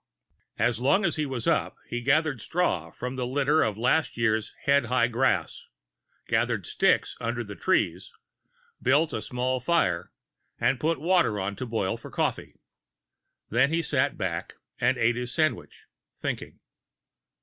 As long as he was up, he gathered straw from the litter of last "year's" head high grass, gathered sticks under the trees, built a small fire and put water on to boil for coffee. Then he sat back and ate his sandwiches, thinking.